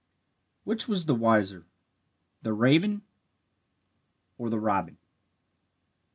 Which was the wiser, the raven or the robin?